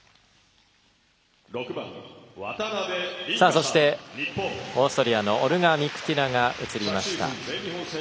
そしてオーストリアのオルガ・ミクティナが映りました。